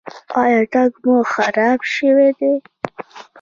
ایا تګ مو خراب شوی دی؟